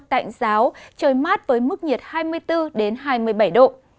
tạnh giáo trời mát với mức nhiệt hai mươi bốn hai mươi bảy độ